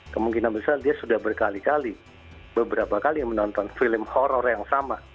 kemungkinan besar dia sudah berkali kali beberapa kali menonton film horror yang sama